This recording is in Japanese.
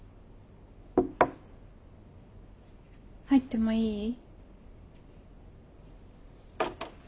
入ってもいい？